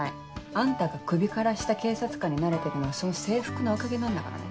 あんたが首から下警察官になれてるのはその制服のおかげなんだからね。